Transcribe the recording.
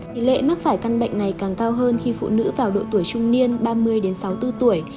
tỷ lệ mắc phải căn bệnh này càng cao hơn khi phụ nữ vào độ tuổi trung niên ba mươi sáu mươi bốn tuổi